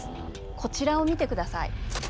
こちらを見てください。